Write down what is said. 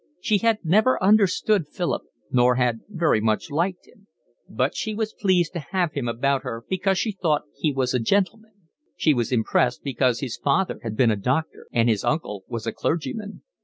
She had never understood Philip, nor had very much liked him; but she was pleased to have him about her because she thought he was a gentleman. She was impressed because his father had been a doctor and his uncle was a clergyman.